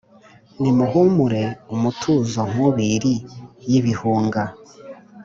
Nimuhumure umutuzo nkubili y’ibihunga,